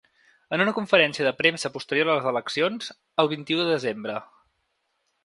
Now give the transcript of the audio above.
En una conferència de premsa posterior a les eleccions, el vint-i-u de desembre.